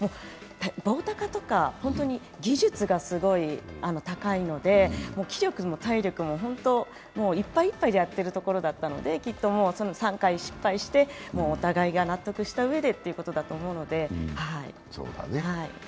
棒高とか技術がすごい高いので気力も体力も本当、いっぱいいっぱいでやってるところだったので、３回失敗してもうお互いが納得したうえでということだと思うので。